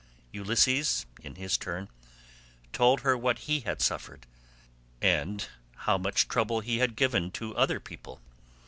Ulysses in his turn told her what he had suffered, and how much trouble he had himself given to other people.